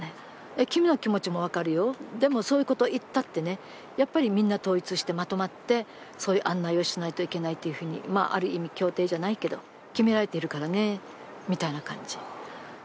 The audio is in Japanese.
君の気持ちも分かるよ、でも、そういうことを言ったって、やっぱりみんな統一してまとまって、そういう案内をしないといけないとある意味協定じゃないけど、決められているからね、みたいな感じ。